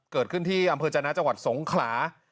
เกิดขึ้นที่อำเภอจนะจังหวัดสงขลา